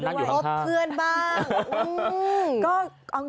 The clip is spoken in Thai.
ตุนตุนตุนตุน